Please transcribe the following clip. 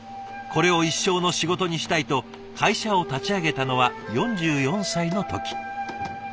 これを一生の仕事にしたいと会社を立ち上げたのは４４歳の時。